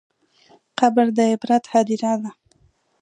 قبر د عبرت هدیره ده.